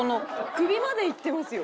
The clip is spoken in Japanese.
首までいってますよ。